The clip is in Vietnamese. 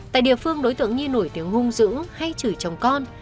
tại địa phương đối tượng nhi nổi tiếng hung dữ hay chửi chồng con